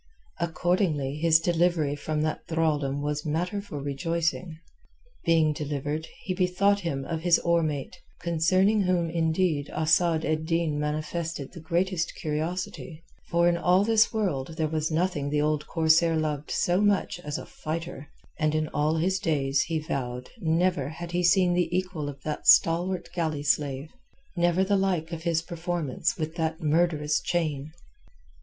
Accordingly his delivery from that thraldom was matter for rejoicing. Being delivered, he bethought him of his oar mate, concerning whom indeed Asad ed Din manifested the greatest curiosity, for in all this world there was nothing the old corsair loved so much as a fighter, and in all his days, he vowed, never had he seen the equal of that stalwart galley slave, never the like of his performance with that murderous chain.